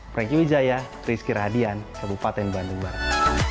franky wijaya rizky radian kabupaten bandung barat